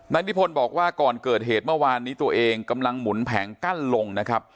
นิพนธ์บอกว่าก่อนเกิดเหตุเมื่อวานนี้ตัวเองกำลังหมุนแผงกั้นลงนะครับ